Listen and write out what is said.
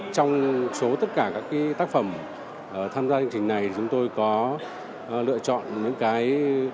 trong số tất cả các tác phẩm tham gia chương trình này chúng tôi có lựa chọn những cái